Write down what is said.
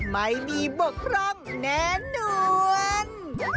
ไม่มีบกพร่องแน่นอน